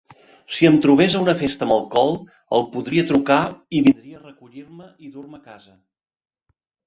Si em trobés a una festa amb alcohol, el podria trucar i vindria a recollir-me i dur-me a casa.